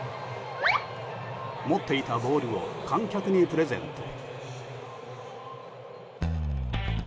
持っていたボールを観客にプレゼント。